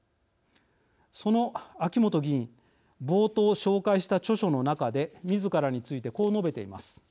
その秋本議員冒頭、紹介した著書の中でみずからについてこう述べています。